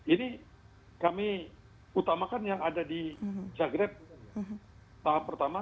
ini kami utamakan yang ada di cagrab tahap pertama